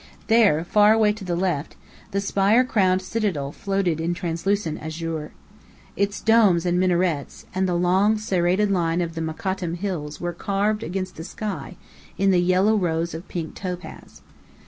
There, far away to the left, the spire crowned Citadel floated in translucent azure. Its domes and minarets, and the long serrated line of the Mokattam Hills were carved against the sky in the yellow rose of pink topaz.